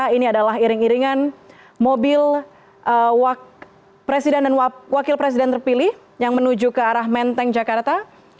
ini adalah iring iringan mobil presiden dan wakil presiden terpilih yang menuju ke arah menteng jakarta